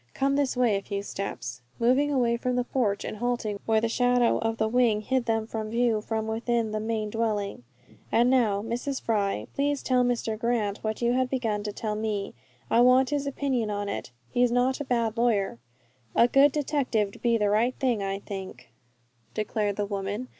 "Come this way a few steps," moving away from the porch and halting where the shadow of the wing hid them from view from within the main dwelling. "And now, Mrs. Fry, please tell Mr. Grant what you had begun to tell me. I want his opinion on it. He's not a bad lawyer." "A good detective'd be the right thing, I think," declared the woman.